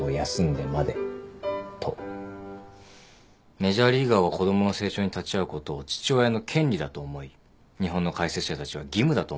メジャーリーガーは子供の成長に立ち会うことを父親の権利だと思い日本の解説者たちは義務だと思っている。